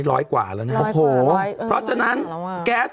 พี่โอ๊คบอกว่าเขินถ้าต้องเป็นเจ้าภาพเนี่ยไม่ไปร่วมงานคนอื่นอะได้